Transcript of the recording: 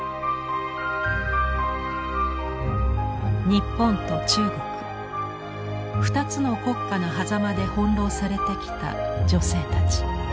日本と中国二つの国家のはざまで翻弄されてきた女性たち。